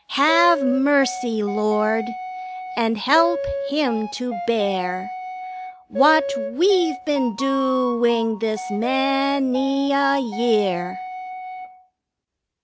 Have mercy, Lord, And help him to bear What we've been doing this many a year!